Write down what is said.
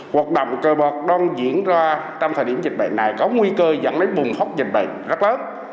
hoạt động cờ bạc đang diễn ra trong thời điểm dịch bệnh này có nguy cơ dẫn đến bùng hóc dịch bệnh rất lớn